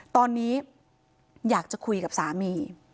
ตอนนี้อยากจะคุยกับสามี